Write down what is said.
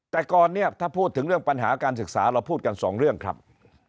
แต่ก่อนเนี่ยถ้าพูดถึงเรื่องปัญหาการศึกษาเราพูดกันสองเรื่องครับ